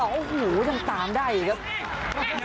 โอ้โหยังตามได้อีกครับ